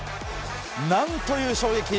なんという衝撃。